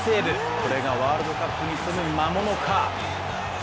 これがワールドカップに潜む魔物か。